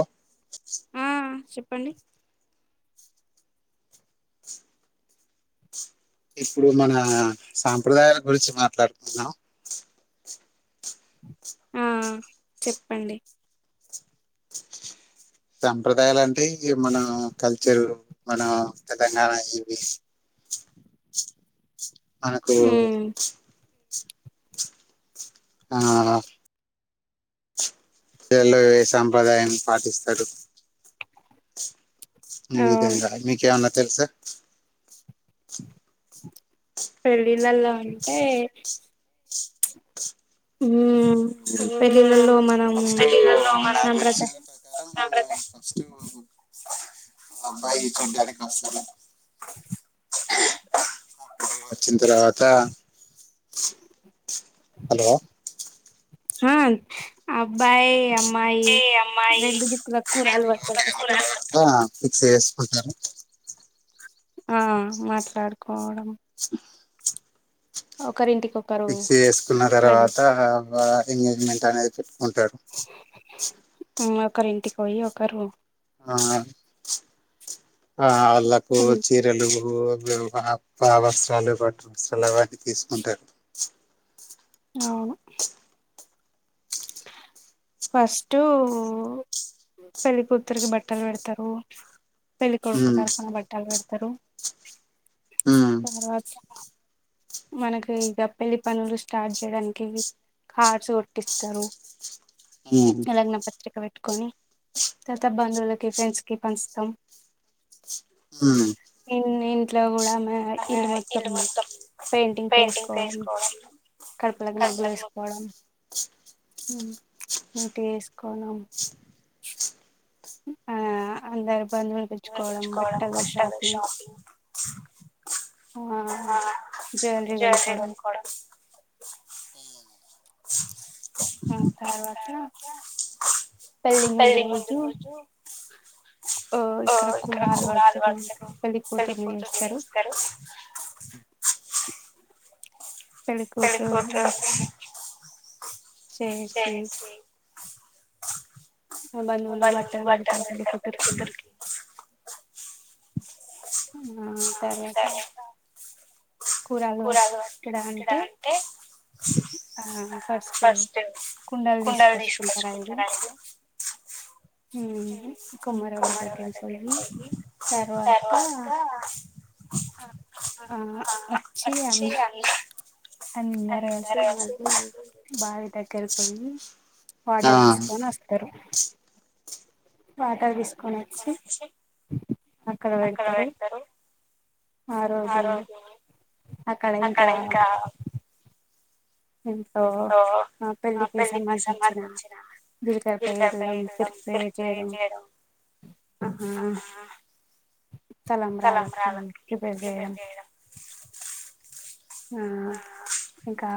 అ చెప్పండి ఇప్పుడు మన సాంప్రదాయాల గురించి మాట్లాడుతున్నాం చెప్పండి సాంప్రదాయాలు అంటే ఇ మన కల్చరు మన తెలంగాణ ఇవి [inaudible] మనకు అలా అలా పలో ఏ సాంప్రదాయం పాటిస్తారు ఏవిధంగా మీకేమన్నా తెలుసా పెళ్లిళల్లో అంటే మ్మ్ పెళ్లిళ్ళో మనము లాంగ్వేజ్ మా బ్రదర్ సిస్టర్ ఆబ్బాయి చెడి అడ కసాల వచ్చిన తర్వాత హలో హా అబ్బాయి ఈ అమ్మాయి [unintelligible] ఫిక్స్ చేసుకుంటారు ఆ మాట్లాడుకోవడం ఫిక్స్ చేసుకున్న తర్వాత ఎంగేజ్మెంట్ అనేది పెట్టుకుంటాడు ఒకరి ఇంటికి పోయి ఒకరు ఆ ఆ అల్లకు చీరలు వస్త్రాలు పట్టు వస్త్రాలు అవన్నీ తీసుకుంటారు అవును ఫస్టు పెళ్ళి కూతురికి బట్టలు పెడతారు పెళ్లి కొడుకు తరుపున బట్టలు పెడతారు తర్వాత మనకి ఇక పెళ్లి పనులు స్టార్ట్ చేయడానికి కార్డ్స్ కొట్టిస్తారు హ్మ్ పత్రిక పెట్టుకొని తర్వాత బంధువులకి ఫ్రెండ్స్ కి పంచుతాం మ్మ్ ఇంట్లో కూడా మయి ఇల్లు మొత్తం పెయింటింగ్స్ వేసుకోవడం గడపలకి ముగ్గులు వేసుకోవడం మ్మ్ ఇంట వేసుకోన్నాం ఆ అందరు బంధువులు పీల్చుకోవడం బట్టలు షాపింగ్ ఆ జ్యువలరీ కొనుకోవడం హ్మ్ హ్మ్ తర్వాత పెళ్లి ముందు రోజు ఓ ఇక్కడ కూనాలువాడతారు పెళ్లి కూతురుని చేస్తారు వెళ్ళికూతురుని చేసి బంధువులు బట్టలు పెడతారు పెళ్లి కూతురికి హ్మ్ తరువాత కూరలు ఎక్కడ అంటే ఫస్ట్ కుండలు తీసుకొచ్చుకుంటారా అడికి [unintelligible] హ్మ్ కుమారోల దగ్గరకి పోయి తర్వాత అచ్చి అ అందరూ కలిసి మళ్ళీ బావి దగ్గరకు పోయి వాటర్ తీసుకొని వస్తారు వాటర్ తీసు తీసుకోనివచ్చి అక్కడ పెడతారు ఆ రోజే అక్కడ ఇంకా ఇట్ ఆ పెళ్ళికి సంబంధించిన జీకరపైయడం పిరిపే చేయడం ఆహా తలంబ్రాలకి ప్రిపేర్ చేయడం ఇంకా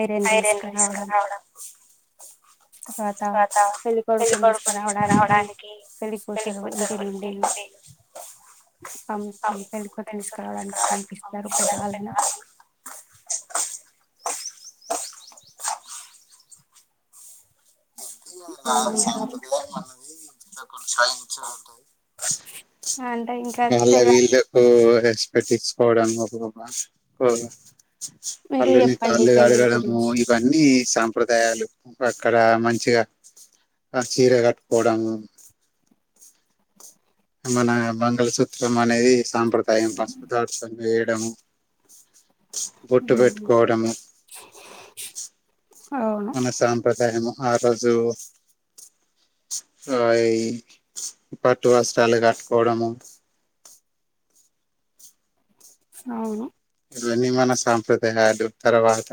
ఐరన్ తీసుకురావడం తర్వాత పెళ్ళి కొడుకొని తీస్కరావడానికి పెళ్లికూతురు ఇంటి నుండి [unintelligible] పెళ్ళికొడుకుని తీసుకుని రావడానికి పంపిస్తారు కదా [unintelligible] సాంప్రదాయం అన్నది ఇట్లా కొనసాగించి ఉంటది. మళ్ళా వీళ్లకు రెస్పెక్ట్ ఇచ్చుకోవడం [unintelligible] అల్లుని కాళ్ళు కడగడము ఇవన్నీ సాంప్రదాయాలు అక్కడ మంచిగా ఆ చీర కట్టుకోవడము మన మంగళ సూత్రం అనేది సాంప్రదాయం పసుపుతాడు [unintelligible] వేయడము బొట్టు పెట్టుకోవడము మన సాంప్రదాయము ఆ రోజు ఆ ఈ పట్టు వస్త్రాలు కట్టుకోవడము అవును ఇవన్నీ మన సాంప్రదాయాలు తర్వాత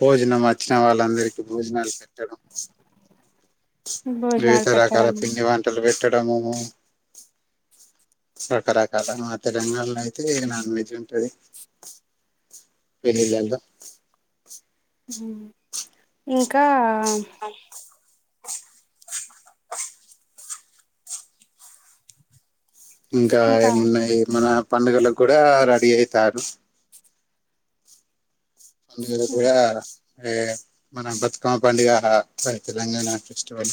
భోజనం వచ్చిన వాళ్ ళ్లందరికీ భోజనాలు పెట్టడం వివిధ రకాల పిండి వంటలు పెట్టడము. రకరకాల ఆ తెలంగాణ లో అయితే నాన్ వెజ్ ఉంటది. వీనికి తెల్దు హ్మ్ ఇంకా ఆ ఇంకా ఏమున్నాయి మన పండగలకు కూడా రెడీ అయితారు. అందులో గూడ అదే మన బతుకమ్మ పండుగ మన తెలంగాణ ఫెస్టివల్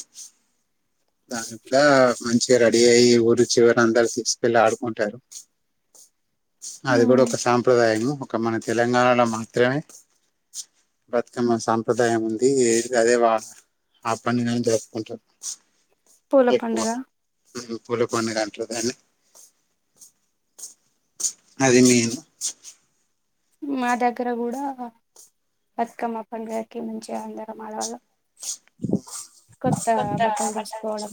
దానికి గూడా మంచిగా రెడీ అయ్యి ఊరి చివర అందరు తీసుకెళ్లి ఆడుకుంటారు. అది గూడా ఒక సాంప్రదాయము ఒక మన తెలంగాణలో మాత్రమే బతుకమ్మ సాంప్రదాయం ఉంది అద్ అదే వా ఆ పండగ మేం జరుపుకుంటాం. పూల పండగ పూల పండగ అని నేను అంట్లేదండి అది మీరు మా దగ్గర గూడా బతుకమ్మ పండగకి మంచిగా అందరం ఆడాళ్ళం కొత్త బట్టలు తీసుకోవడం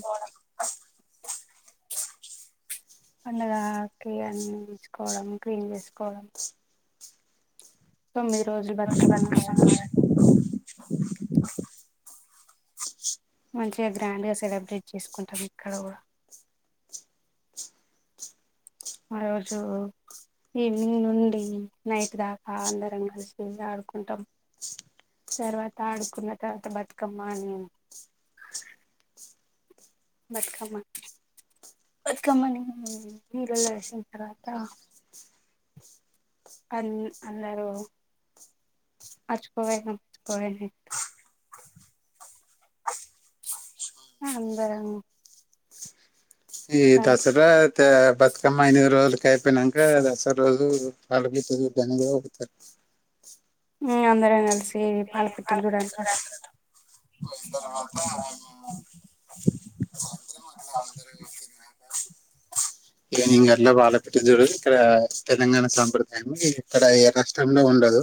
పండగా కి అన్ని తెచ్చుకోవడం క్లీన్ చేసుకోవడం తొమ్మిది రోజులు బతుకమ్మ మంచిగా గ్రాండ్ గా సెలబ్రేట్ చేసుకుంటాం ఇక్కడ గూడా ఆ రోజు ఈవినింగ్ నుండి నైట్ దాకా అందరం గలిసి ఆడుకుంటాం తర్వాత ఆడుకున్న తర్వాత బతుకమ్మ ని బతుకమ్మ బతుకమ్మని నీళ్లలో వేసిన తర్వాత అంద్ అందరూ అందరూ ఈ దసరా తె బతుకమ్మ ఎనిమిది రోజులకి అయిపోయినాంక దసరా రోజు పాలపిట్టని చూడ్డానికి గూడా పోతారు [inaudible] ఉమ్ అందరం కలిసి పాల పిట్టని చూడ్డానికి పోతాం పోయిన తర్వాత [unintelligible] అందరు ఇ న్యూ ఇయర్ల పాల పిట్టా చూడు ఇక్కడ తెలంగాణ సాంప్రదాయం ఇక్కడ ఏ రాష్ట్రంలో ఉండదు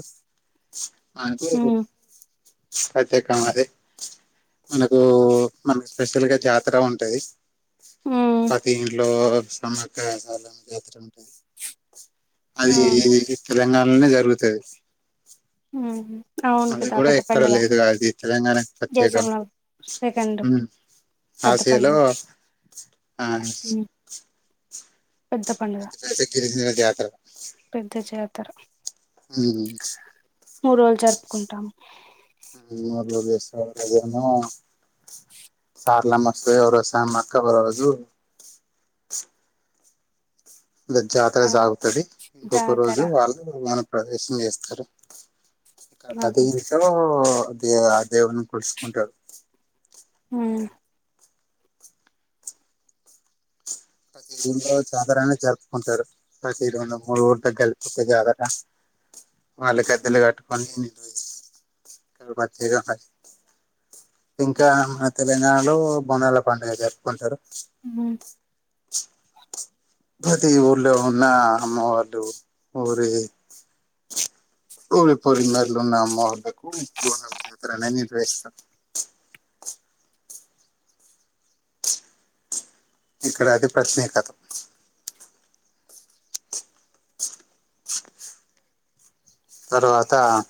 అన్కోకు ప్రత్యేకమ్ అదే మనకు మన స్పెషల్ గా జాతర ఉంటది ప్రతిఉర్లో సమ్మక జాత్ర జరుపుతుంటమ్ అది ఇది తెలంగాణలనే జరుగుతుది మ్ అది కూడా ఎక్కడ లేదు అది తెలంగాణకి ప్రత్యేకం మ్ అసిలో అ బేసిగ్గ ఇది గీరిజన జాతర మ్ [unintelligible] [inaudible] సార్లమ్మ వొస్తది ఓరోజు సమ్మక్క ఒక రోజు జాతర సాగుతది ఇంకొక రోజు వాళ్ళుమాన ప్రతిష్ట చేస్తారు ఇక పది నిమిషాలు దేవుడ్ ఆ దేవుడిని కొలుచుకుంటారు మ్ ప్రతిలో జాతరనే జరుపుకుంటాారు ప్రతిదు వలో మూ [unintelligible] డు ఊరు దగ్గ కలిపిపోతే జాతర వా తెలి కటు ఫ ఇ [unintelligible] ఇంకా మన తెలంగాణలో బోనాల పండుగ జరుపుకుంటారు మ్ [inaudible] పది ఊర్లో ఉన్న అమ్మవార్లు ఊరి ఊరి పొలిమేర్లో ఉన్న అమ్మవార్లకు బోనాల నియంత్రనా నిర్వహి స్తారు [inaudible] ఇక్కడ అది ప్రత్యేకత [inaudible] తర్వాత అ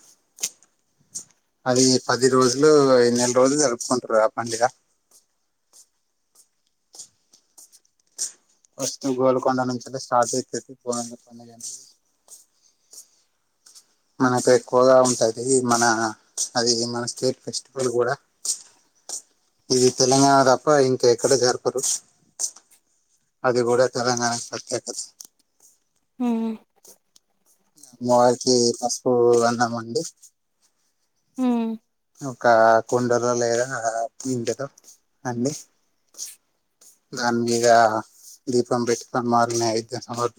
అది పది రోజులు నెల రోజులు జరుపుకుంటారు అ పండుగా ఫస్టు గోల్కొండ నుంచైతె స్టార్ట్ ఐతది బోనాల పండుగనేది మనకు ఎక్కువగా ఉంటాది మన అది మన స్టేట్ ఫెస్టివల్ కూడా ఇది తెలంగాణ తప్ప ఇంకా ఎక్కడ జరుపరు అది కూడా తెలంగాణ ప్రత్యేకత ఉ మ్వాకి పసుపు అన్నామండి మ్ ఒక కుండలో లేదా ఇంటిలో అన్ని దాని మీద దీపం బెట్టుకొని మారు నైద్యం ఓర్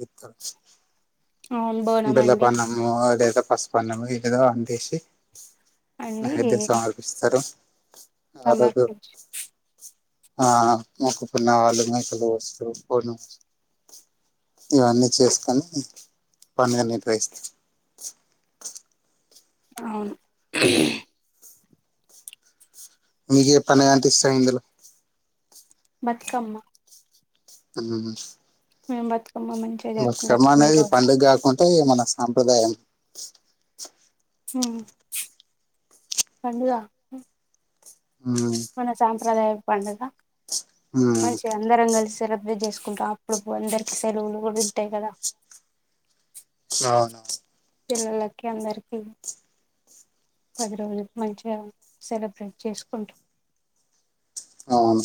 బెల్లపాన్నాము ఆడయ్ పస్ పసుప్పనము ఇదిగో అంతెసి నైవేద్యం సమర్పిస్తారు అరొజు ఆ మొక్కుకున్న వాళ్ళు మేకలు కోస్తు కోడిని కోస్ ఇవన్నీ చేసుకొని పండుగ నిర్వహిస్తారు అవును మీక్ చెప్పండి ఏమనిపిస్తదో ఇందులో బతుకమ్మ అ మే బ ముకం అనేది పండుగ కాకుంే మన సాంప్రదాయం కంద మన సాంప్రదాయ పండుగ మంచి అందరం కలిసి సెలబ్రేట్ చేసుకు కుంట అప్పుడు అందరికి సెలూన్లు కూడా ఉంటాయి కదా ఆ పిల్లలకి అందరికి పది రోజులకు మంచిగా సెలబ్రేట్ చేసుకుంటాం అవును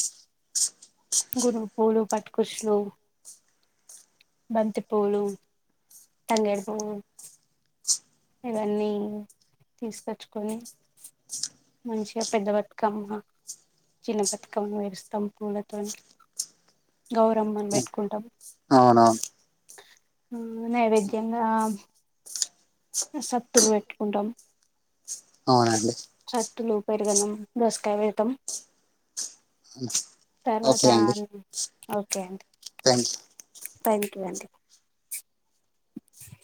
గుడి పూలు పట్టుకుచులు బంతి పూలు తంగారు పోవం ఇవన్నీ తీసుకొచ్చుకొని మంచిగా పెద్దవాతుకమ్మ చిన్న బతుకం వేరుస్తాం పూలతో గౌరమ్ అని పెట్టుకుంటాం నైవేద్యంగా ఆ సత్తులు పెట్టుకుంటాం అవునండి చట్లు పెరిగనం బస్కాయ వెడతాం తర్వాత ఓకే అండి థ్యాంక్ యూ అండి